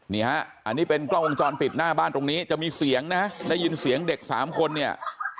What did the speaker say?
นี่ฮะอันนี้เป็นกล้องวงจรปิดหน้าบ้านตรงนี้จะมีเสียงนะได้ยินเสียงเด็กสามคนเนี่ย